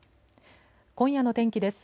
今夜の天気です。